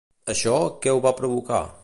Això què ho va provocar?